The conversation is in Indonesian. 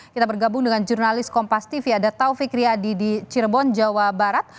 kita bergabung dengan jurnalis kompas tv ada taufik riyadi di cirebon jawa barat